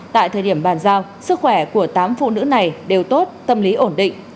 tại thời điểm bàn giao sức khỏe của tám phụ nữ này đều tốt tâm lý ổn định